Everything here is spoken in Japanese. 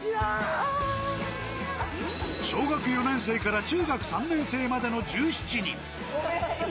小学４年生から中学３年生までの１７人。